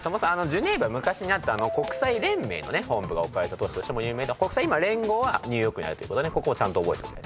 ジュネーブは昔にあった国際連盟のね本部が置かれた都市としても有名で今連合はニューヨークにあるとここをちゃんと覚えたいですね。